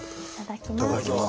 いただきます。